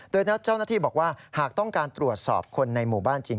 โดยเจ้าหน้าที่บอกว่าหากต้องการตรวจสอบคนในหมู่บ้านจริง